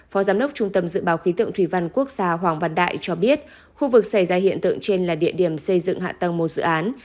phó giám đốc trung tâm dự báo khí tượng thủy văn quốc gia hoàng văn đại cho biết khu vực xảy ra hiện tượng trên là địa điểm xây dựng hạ tầng một dự án